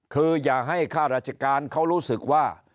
คืออย่าให้ค่าราชการเขารู้สึกว่า